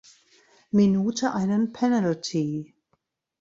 Minute einen Penalty.